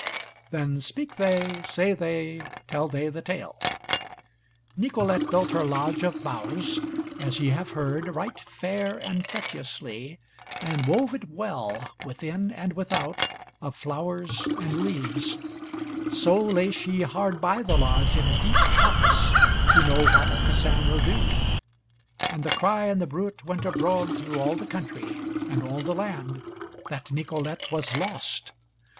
Then speak they, say they, tell they the Tale: Nicolete built her lodge of boughs, as ye have heard, right fair and feteously, and wove it well, within and without, of flowers and leaves. So lay she hard by the lodge in a deep coppice to know what Aucassin will do. And the cry and the bruit went abroad through all the country and all the land, that Nicolete was lost.